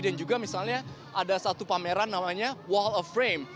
dan juga misalnya ada satu pameran namanya wall of frame